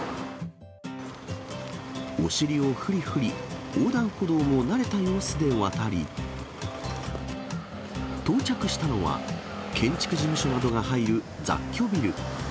お尻を振り振り、横断歩道を慣れた様子で渡り、到着したのは、建築事務所などが入る雑居ビル。